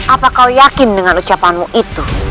apa kau yakin dengan ucapanmu itu